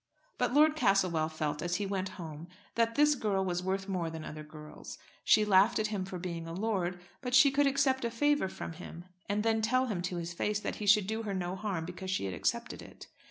But Lord Castlewell felt as he went home that this girl was worth more than other girls. She laughed at him for being a lord, but she could accept a favour from him, and then tell him to his face that he should do her no harm because she had accepted it.